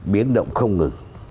biến động không ngừng